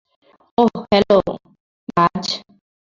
ওহ, hello, বায!